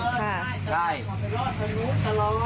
ใช่ขอไปรอดทางนู้นตลอด